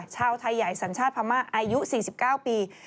ชาวไทยใหญ่สัญชาติพม่าอายุ๔๙ปี